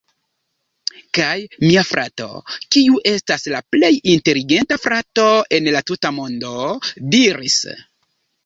Kaj mia frato, kiu estas la plej inteligenta frato en la tuta mondo... diris: